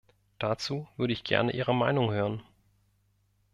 Dazu würde ich gerne Ihre Meinung hören.